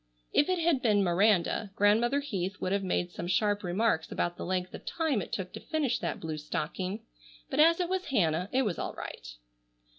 If it had been Miranda, Grandmother Heath would have made some sharp remarks about the length of time it took to finish that blue stocking, but as it was Hannah it was all right.